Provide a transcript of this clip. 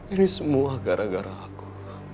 ini semua gara gara aku